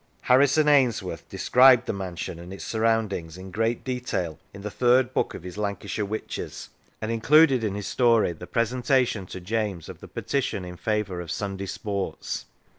Harrison Ainsworth described the mansion and its surroundings in great detail in the third book of his " Lancashire Witches," and included in his story the 86 The War of Religion presentation to James of the petition in favour of Sunday sports.